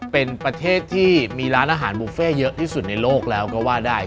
เป็นประเทศที่มีร้านอาหารบุฟเฟ่เยอะที่สุดในโลกแล้วก็ว่าได้